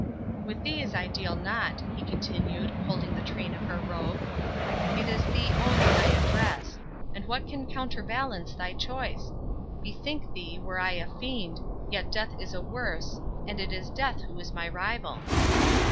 "With these I deal not," he continued, holding the train of her robe—"it is thee only I address; and what can counterbalance thy choice? Bethink thee, were I a fiend, yet death is a worse, and it is death who is my rival."